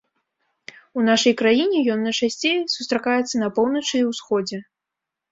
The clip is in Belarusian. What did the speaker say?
У нашай краіне ён найчасцей сустракаецца на поўначы і ўсходзе.